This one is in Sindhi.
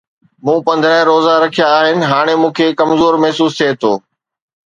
مون پندرهن روزا رکيا آهن، هاڻي مون کي ڪمزور محسوس ٿئي ٿو.